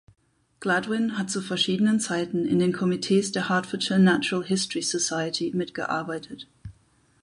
Gladwin hat zu verschiedenen Zeiten in den Komitees der Hertfordshire Natural History Society mitgearbeitet.